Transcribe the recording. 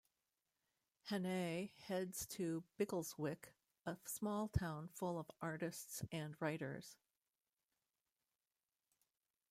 Hannay heads to Biggleswick, a small town full of artists and writers.